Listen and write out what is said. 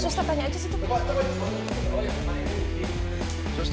itu ada suster tanya aja situ